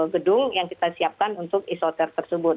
gedung yang kita siapkan untuk isoter tersebut